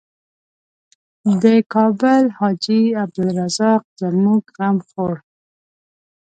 د کابل حاجي عبدالرزاق زموږ غم خوړ.